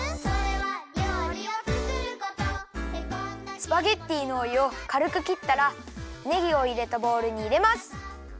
スパゲッティのおゆをかるくきったらねぎをいれたボウルにいれます。